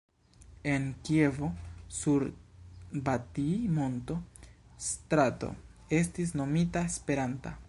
En Kievo, sur Batij-monto strato estis nomita Esperanta.